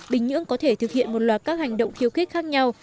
bình nhưỡng có thể thực hiện một loạt các hành động khiêu khích khác nhau